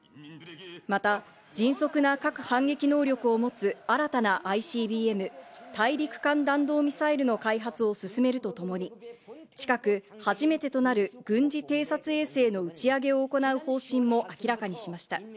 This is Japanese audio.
また迅速な核反撃能力を持つ新たなＩＣＢＭ＝大陸間弾道ミサイルの開発を進めるとともに、近く初めてとなる軍事偵察衛星の打ち上げを行う方針も明らかにしました。